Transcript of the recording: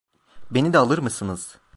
Beni de alır mısınız?